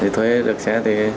thuê được xe thì